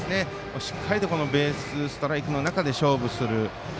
しっかりとベースストライクの中で勝負する。